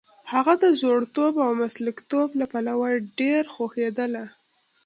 هغه د زړورتوب او مسلکیتوب له پلوه ډېره خوښېدله.